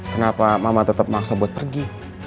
kenapa mama tetap maksa buat pergi